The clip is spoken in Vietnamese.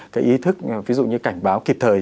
cái ý thức ví dụ như cảnh báo kịp thời